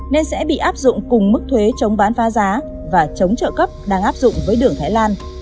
nên sẽ bị áp dụng cùng mức thuế chống bán phá giá và chống trợ cấp đang áp dụng với đường thái lan